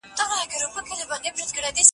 نه په رنجو تورې هغه.